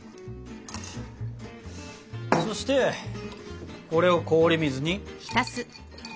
そしてこれを氷水に。